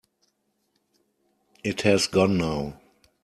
It has gone now.